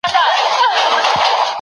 زه د شیدو په څښلو بوخت یم.